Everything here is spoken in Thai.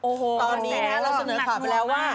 โอ้โหตอนนี้นะเราเสนอข่าวไปแล้วว่า